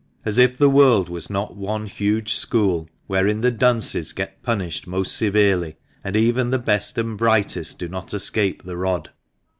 As if the world was not one huge school, wherein the dunces get punished most severely, and even the best and brightest do not escape the rod.